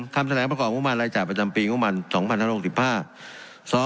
๑คำแสดงประกอบงบมันรายจ่ายประจำปีงบมันภศ๒๐๖๕